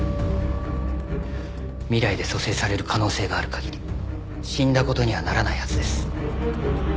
未来で蘇生される可能性がある限り死んだ事にはならないはずです。